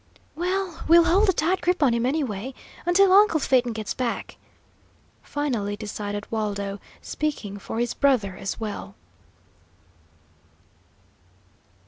"Well, we'll hold a tight grip on him, anyway, until uncle Phaeton gets back," finally decided Waldo, speaking for his brother as well.